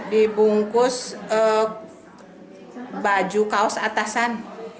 dibungkus baju kaos atasan